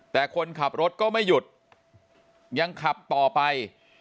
แต่คนขับรถก็ไม่หยุดยังขับต่อไป